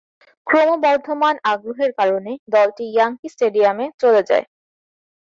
ক্রমবর্ধমান আগ্রহের কারণে, দলটি ইয়াংকি স্টেডিয়ামে চলে যায়।